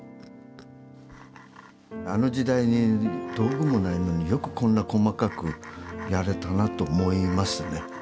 あの時代に道具もないのによくこんな細かくやれたなと思いますね。